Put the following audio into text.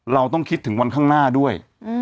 เราต้องคิดถึงวันข้างหน้าด้วย